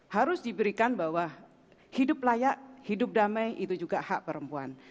harus diberikan bahwa hidup layak hidup damai itu juga hak perempuan